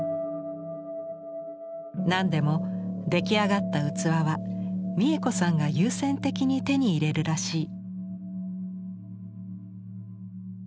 何でも出来上がった器は三枝子さんが優先的に手に入れるらしい。